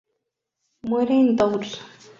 Muere en Tours.